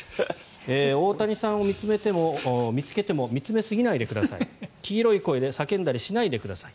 大谷さんを見つけても見つめすぎないでください黄色い声で叫んだりしないでください